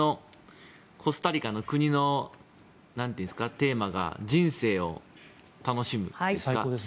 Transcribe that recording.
コスタリカの国のテーマが人生を楽しむ。